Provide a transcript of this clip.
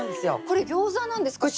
これ餃子なんですか？